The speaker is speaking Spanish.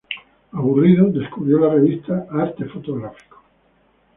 Aburrido, descubrió la revista "Arte Fotográfico".